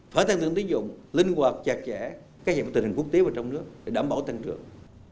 phải tăng trưởng tín dụng linh hoạt chặt chẽ cây dạng tình hình quốc tế và trong nước để đảm bảo tăng trưởng